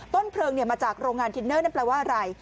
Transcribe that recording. ต้นเพลิงมาจากโรงงานทินเนอร์นั่นแปลว่าอะไร